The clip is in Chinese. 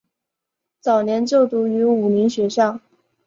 早年就读于武岭学校。